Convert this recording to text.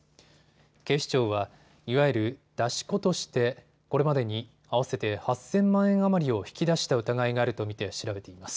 警視庁はいわゆる出し子としてこれまでに合わせて８０００万円余りを引き出した疑いがあると見て調べています。